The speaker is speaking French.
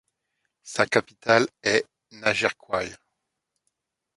Sa capitale est Nagercoil.